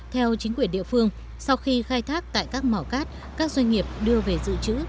theo chính quyền địa phương sau khi khai thác tại các mỏ cát các doanh nghiệp đưa về dự trữ